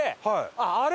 あっあれ？